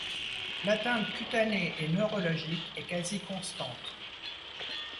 L'atteinte cutanée et neurologique est quasi constante.